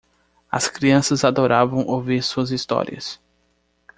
As crianças adoravam ouvir suas histórias.